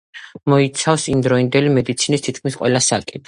მოიცავს იმდროინდელი მედიცინის თითქმის ყველა საკითხს.